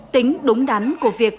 tính đúng đắn của việc